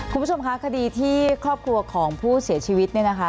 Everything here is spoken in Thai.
คุณผู้ชมคะคดีที่ครอบครัวของผู้เสียชีวิตเนี่ยนะคะ